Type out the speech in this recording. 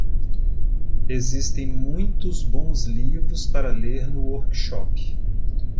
Existem muitos bons livros para ler no workshop.